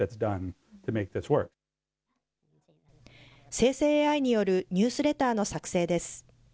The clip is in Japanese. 生成ＡＩによるニュースレターの作成です。